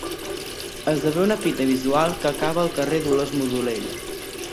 Esdevé una fita visual que acaba el carrer Dolors Modolell.